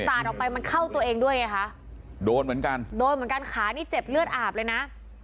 ออกไปมันเข้าตัวเองด้วยไงคะโดนเหมือนกันโดนเหมือนกันขานี่เจ็บเลือดอาบเลยนะ